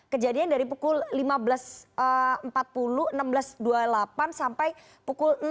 kejadian dari pukul lima belas empat puluh enam belas dua puluh delapan sampai pukul enam